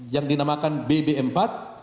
yang dinamakan bb empat